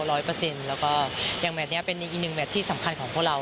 แล้วก็อย่างแมทนี้เป็นอีกหนึ่งแมทที่สำคัญของพวกเรา